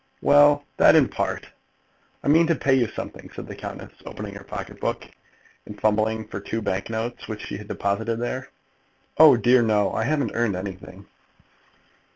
"Well; that in part." "I mean to pay you something," said the countess, opening her pocket book, and fumbling for two bank notes which she had deposited there. "Oh, dear, no. I haven't earned anything."